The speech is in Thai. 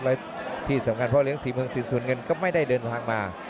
และที่สำคัญพ่อเลี้ยศรีเมืองสินส่วนเงินก็ไม่ได้เดินทางมา